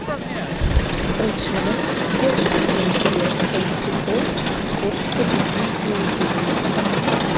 З прычынаў, больш ці менш залежных ад дзецюкоў, гурт прыпыніў сваю дзейнасць.